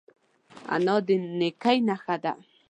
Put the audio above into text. انا د نیکۍ نښه ده